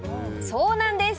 そうなんです。